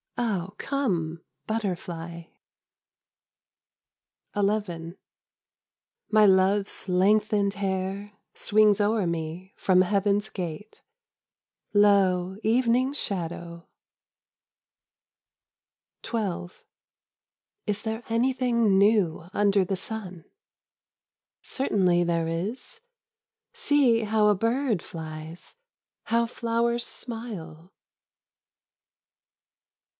Oh, come, butterfly ! XI My Love's lengthened hair Swings o'er me from Heaven's gate : I^, Evening's shadow ! 1^6 Japanese Hokkus XII Is there anything new under the sun ? Certainly there is. See how a bird flies, how flowers smile